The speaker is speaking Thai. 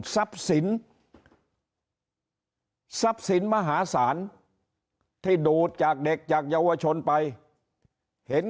ทรัพย์สินทรัพย์สินมหาศาลที่ดูดจากเด็กจากเยาวชนไปเห็น